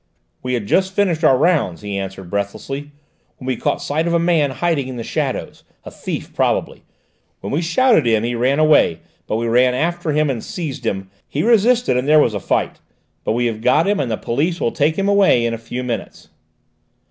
"We had just finished our rounds," he answered breathlessly, "when we caught sight of a man hiding in the shadows, a thief probably. When we shouted to him he ran away, but we ran after him and seized him; he resisted and there was a fight. But we have got him and the police will take him away in a few minutes."